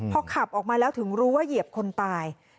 พอขับออกมาแล้วถึงรู้ว่าเหยียบคนตาย